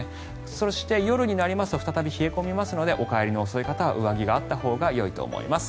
そして、夜になりますと再び冷え込みますのでお帰りの遅い方は上着があったほうがよいと思います。